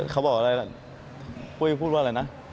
เขาบอกอะไรพูดว่าอะไรนะ